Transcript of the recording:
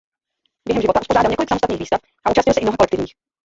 Během života uspořádal několik samostatných výstav a účastnil se i mnoha kolektivních.